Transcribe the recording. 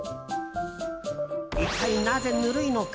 一体なぜ、ぬるいのか？